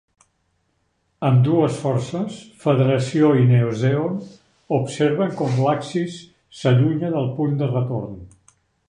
Ambdues forces Federació i Neo-Zeon observen com l'Axis s'allunya del punt de retorn.